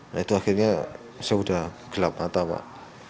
nah itu akhirnya saya sudah gelap mata pak